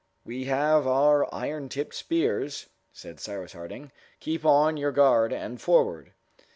"We have our iron tipped spears," said Cyrus Harding. "Keep on your guard, and forward!"